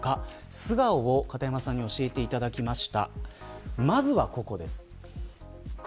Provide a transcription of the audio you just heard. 素顔を、片山さんに教えていただきました。